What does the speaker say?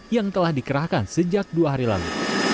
yang telah dikerahkan sejak dua hari lalu